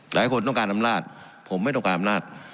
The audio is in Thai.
หลายคนต้องการอำนาจผมไม่ต้องการอำนาจ